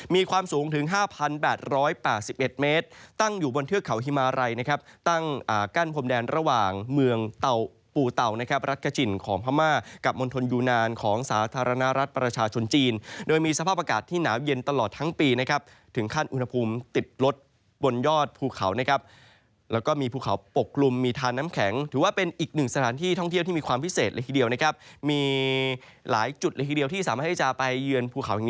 มีความสูงถึง๕๘๘๑เมตรตั้งอยู่บนเทือกเขาฮิมาไรนะครับตั้งกั้นพรมแดนระหว่างเมืองเตาปูเตานะครับรัฐกระจิ่นของพม่ากับมนตรยูนานของสาธารณรัฐประชาชนจีนโดยมีสภาพอากาศที่หนาเย็นตลอดทั้งปีนะครับถึงขั้นอุณหภูมิติบลดบนยอดภูเขานะครับแล้วก็มีภูเขาปกลุ่มมีทาน้ำแข็งถือ